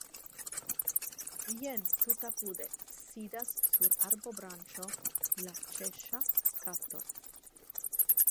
Jen, tutapude, sidas sur arbobranĉo la Ĉeŝŝa kato.